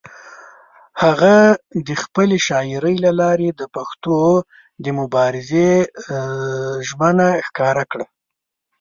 هغه د خپلې شاعرۍ له لارې د پښتنو د مبارزې ژمنه ښکاره کړه.